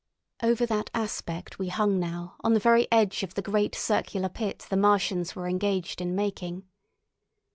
Over that aspect we hung now on the very edge of the great circular pit the Martians were engaged in making.